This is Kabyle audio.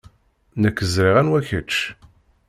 Nekk ẓriɣ anwa kečč.